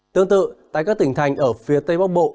tương tự tại các tỉnh thành ở phía tây bắc bộ